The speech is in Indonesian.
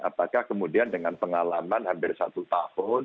apakah kemudian dengan pengalaman hampir satu tahun